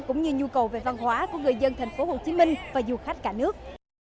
cũng như nhu cầu về văn hóa của người dân thành phố hồ chí minh và du khách cả nước